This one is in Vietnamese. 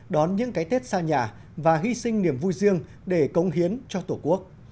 đón những cái tết xa nhà và hy sinh niềm vui riêng để công hiến cho tổ quốc